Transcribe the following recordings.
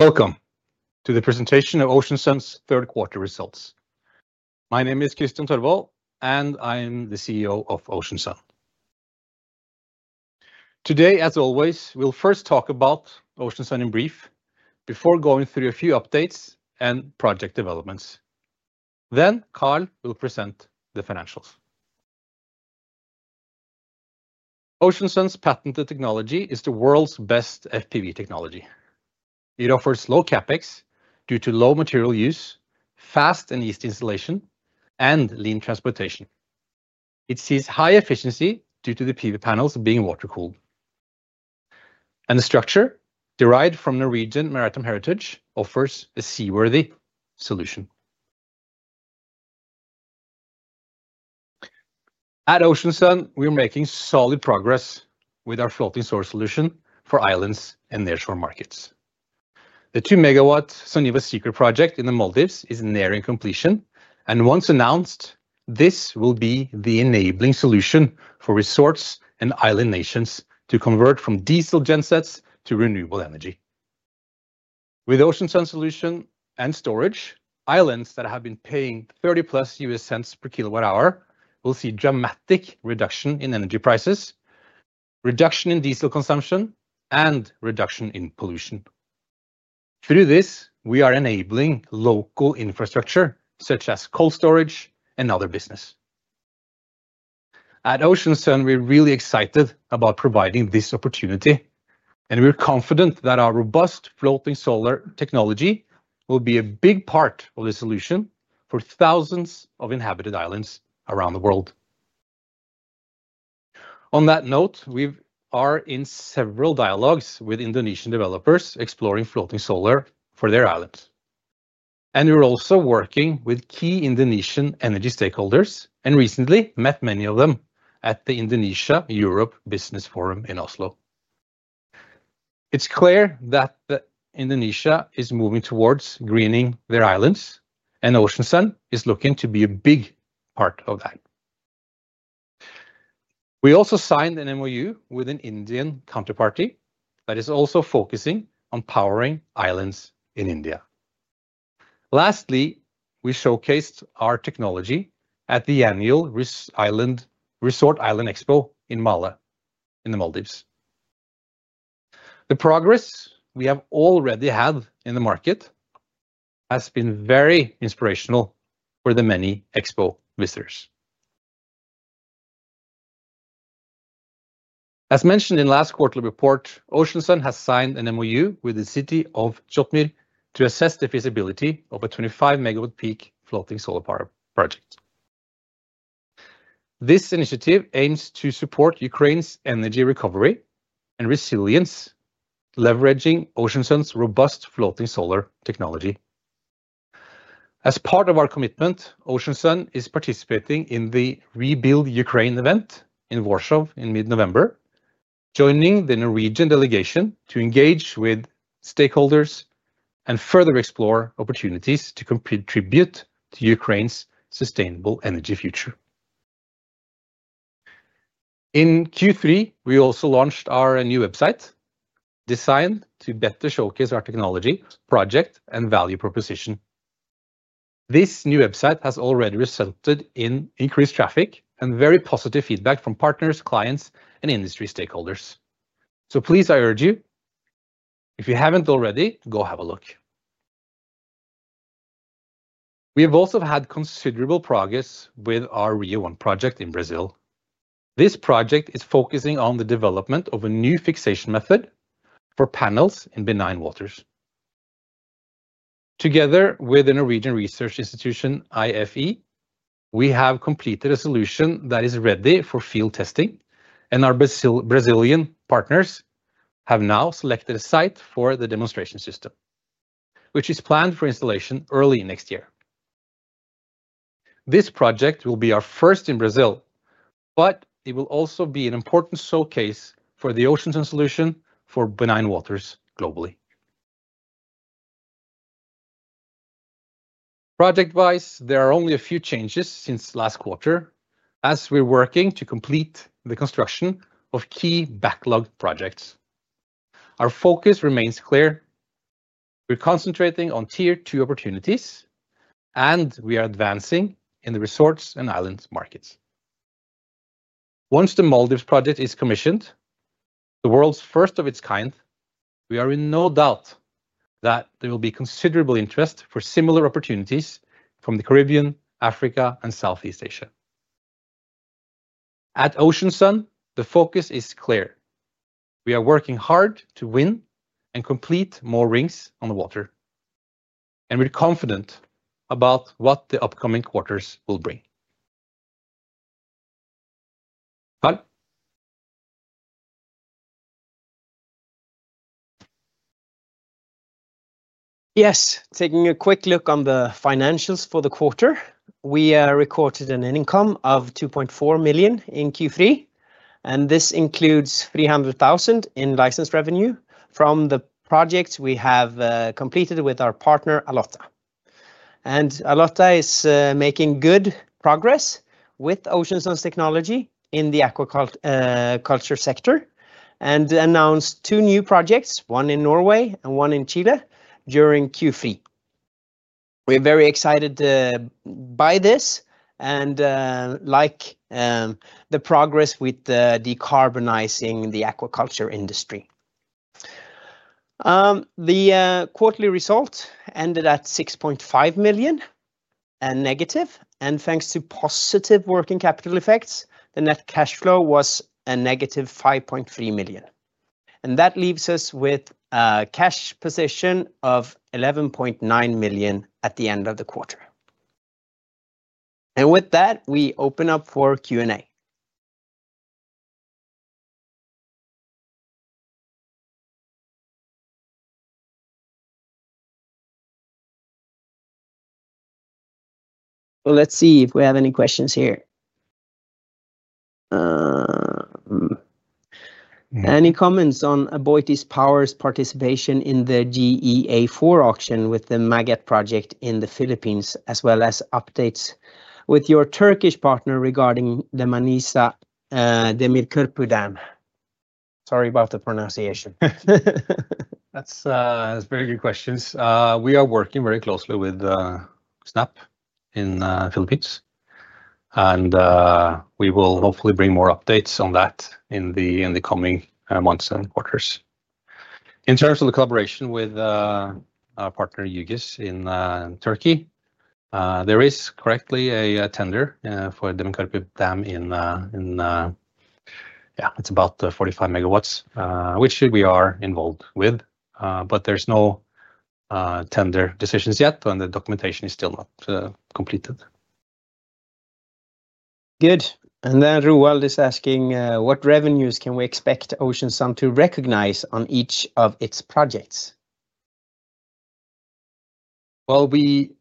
Welcome to the presentation of Ocean Sun's third quarter results. My name is Kristian Tørvold, and I am the CEO of Ocean Sun. Today, as always, we'll first talk about Ocean Sun in brief before going through a few updates and project developments. Then Karl will present the financials. Ocean Sun's patented technology is the world's best FPV technology. It offers low CapEx due to low material use, fast and easy installation, and lean transportation. It sees high efficiency due to the PV panels being water-cooled. The structure, derived from Norwegian maritime heritage, offers a seaworthy solution. At Ocean Sun, we are making solid progress with our floating solar solution for islands and nearshore markets. The 2 MW Soneva Secret project in the Maldives is nearing completion, and once announced, this will be the enabling solution for resorts and island nations to convert from diesel gensets to renewable energy. With Ocean Sun's solution and storage, islands that have been paying 0.30+ per kWh will see a dramatic reduction in energy prices. Reduction in diesel consumption, and reduction in pollution. Through this, we are enabling local infrastructure such as coal storage and other business. At Ocean Sun, we're really excited about providing this opportunity, and we're confident that our robust floating solar technology will be a big part of the solution for thousands of inhabited islands around the world. On that note, we are in several dialogues with Indonesian developers exploring floating solar for their islands. We are also working with key Indonesian energy stakeholders and recently met many of them at the Indonesia-Europe Business Forum in Oslo. It's clear that Indonesia is moving towards greening their islands, and Ocean Sun is looking to be a big part of that. We also signed an MOU with an Indian counterparty that is also focusing on powering islands in India. Lastly, we showcased our technology at the annual Resort Island Expo in Malé, in the Maldives. The progress we have already had in the market has been very inspirational for the many expo visitors. As mentioned in last quarterly report, Ocean Sun has signed an MOU with the city of Zhytomyr to assess the feasibility of a 25 MWp floating solar project. This initiative aims to support Ukraine's energy recovery and resilience, leveraging Ocean Sun's robust floating solar technology. As part of our commitment, Ocean Sun is participating in the ReBuild Ukraine event in Warsaw in mid-November, joining the Norwegian delegation to engage with stakeholders and further explore opportunities to contribute to Ukraine's sustainable energy future. In Q3, we also launched our new website, designed to better showcase our technology, project, and value proposition. This new website has already resulted in increased traffic and very positive feedback from partners, clients, and industry stakeholders. Please, I urge you. If you haven't already, go have a look. We have also had considerable progress with our Rio One project in Brazil. This project is focusing on the development of a new fixation method for panels in benign waters. Together with the Norwegian research institution IFE, we have completed a solution that is ready for field testing, and our Brazilian partners have now selected a site for the demonstration system, which is planned for installation early next year. This project will be our first in Brazil, but it will also be an important showcase for the Ocean Sun solution for benign waters globally. Project-wise, there are only a few changes since last quarter, as we are working to complete the construction of key backlog projects. Our focus remains clear. We are concentrating on tier two opportunities, and we are advancing in the resorts and island markets. Once the Maldives project is commissioned, the world's first of its kind, we are in no doubt that there will be considerable interest for similar opportunities from the Caribbean, Africa, and Southeast Asia. At Ocean Sun, the focus is clear. We are working hard to win and complete more rings on the water. We are confident about what the upcoming quarters will bring. Yes, taking a quick look on the financials for the quarter, we recorded an income of 2.4 million in Q3, and this includes 300,000 in license revenue from the projects we have completed with our partner, Alotta. Alotta is making good progress with Ocean Sun's technology in the aquaculture sector and announced two new projects, one in Norway and one in Chile, during Q3. We're very excited by this and, like, the progress with decarbonizing the aquaculture industry. The quarterly result ended at -6.5 million, and thanks to positive working capital effects, the net cash flow was -5.3 million. That leaves us with a cash position of 11.9 million at the end of the quarter. With that, we open up for Q&A. Let's see if we have any questions here. Any comments on AboitizPower's participation in the GEA-4 auction with the Magat project in the Philippines, as well as updates with your Turkish partner regarding the Manisa Demirköprü Dam? Sorry about the pronunciation. That's very good questions. We are working very closely with SNAP in the Philippines. We will hopefully bring more updates on that in the coming months and quarters. In terms of the collaboration with our partner UGIS in Turkey, there is currently a tender for Demirköprü Dam. Yeah, it's about 45 MW, which we are involved with, but there's no tender decisions yet, and the documentation is still not completed. Good. Rouel is asking, what revenues can we expect Ocean Sun to recognize on each of its projects? It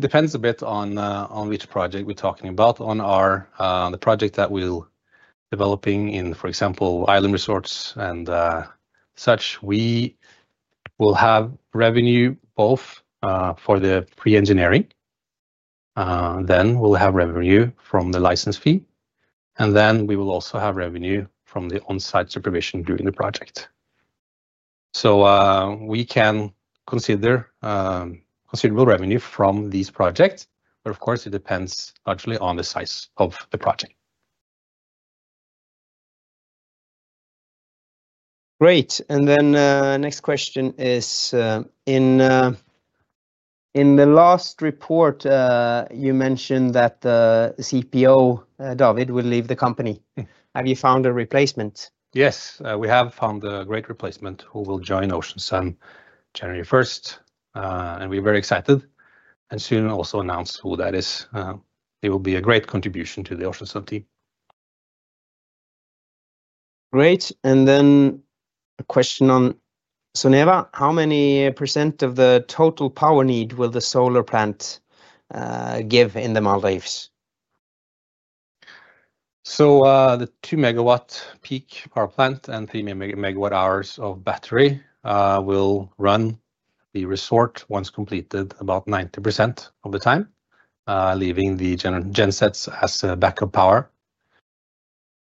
depends a bit on which project we're talking about. On the project that we're developing in, for example, island resorts and such, we will have revenue both for the pre-engineering. Then we'll have revenue from the license fee, and then we will also have revenue from the on-site supervision during the project. We can consider considerable revenue from these projects, but of course, it depends largely on the size of the project. Great. The next question is, in the last report, you mentioned that the CPO, David, will leave the company. Have you found a replacement? Yes, we have found a great replacement who will join Ocean Sun January 1st. We are very excited and will soon also announce who that is. It will be a great contribution to the Ocean Sun team. Great. A question on Soneva. How many percent of the total power need will the solar plant give in the Maldives? The 2-MW peak power plant and 3 MWh of battery will run the resort once completed about 90% of the time, leaving the gensets as backup power.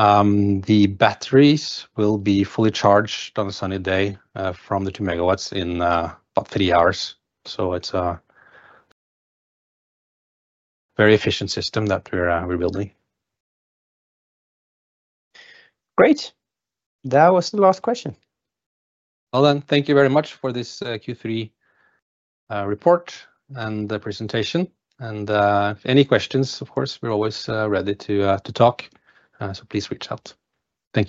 The batteries will be fully charged on a sunny day from the 2 MW in about three hours. It is a very efficient system that we're building. Great. That was the last question. Thank you very much for this Q3 report and the presentation. Any questions, of course, we are always ready to talk, so please reach out. Thank you.